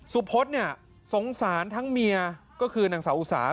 สุพศสงสารทั้งเมียก็คือหนังสาวอุสาว